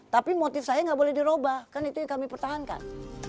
tapi motif saya nggak boleh dirubah kan itu yang kami pertahankan